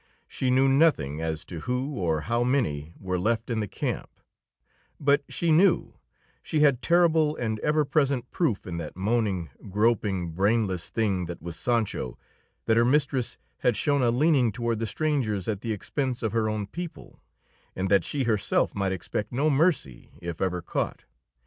She knew nothing as to who or how many were left in the camp; but she knew, she had terrible and ever present proof in that moaning, groping, brainless thing that was Sancho, that her mistress had shown a leaning toward the strangers at the expense of her own people, and that she herself might expect no mercy if ever caught.